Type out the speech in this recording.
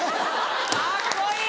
・カッコいい！